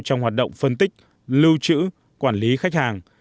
trong hoạt động phân tích lưu trữ quản lý khách hàng